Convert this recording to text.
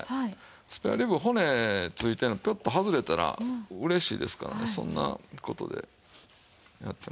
スペアリブ骨ついてるのピョッと外れたら嬉しいですからねそんな事でやってますけども。